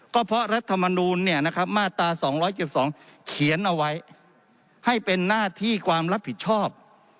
ก็เพราะรัฐมนูลมาตรา๒๗๒เขียนเอาไว้ให้เป็นหน้าที่ความรับผิดชอบ